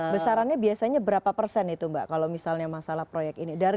besarannya biasanya berapa persen itu mbak kalau misalnya masalah proyek ini